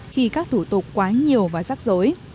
khi các thủ tục quá nhiều và rắc rối